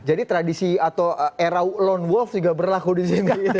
jadi tradisi atau era lone wolf juga berlaku di sini